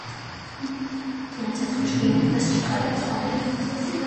Դիմեցեք բժշկին, այդպես չի կարելի թողնել: